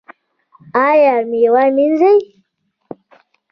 ایا میوه مینځئ؟